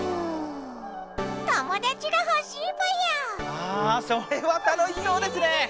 ああそれは楽しそうですね！